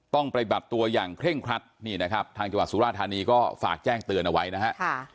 ปฏิบัติตัวอย่างเคร่งครัดนี่นะครับทางจังหวัดสุราธานีก็ฝากแจ้งเตือนเอาไว้นะฮะ